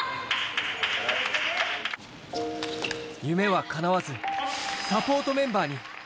夢は叶わず、サポートメンバーに。